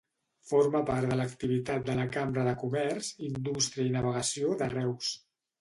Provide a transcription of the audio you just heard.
Forma part de l'activitat de la Cambra de Comerç, Indústria i Navegació de Reus.